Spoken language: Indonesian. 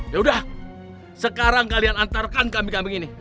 yaudah sekarang kalian antarkan kambing kambing ini